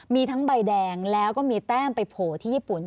มีทั้งใบแดงแล้วก็มีแต้มไปโผล่ที่ญี่ปุ่น